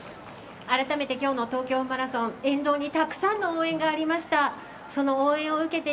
あらためて今日の東京マラソン沿道にたくさんの応援がありました。